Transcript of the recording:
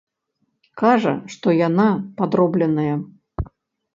Кажа, што яна падробленая.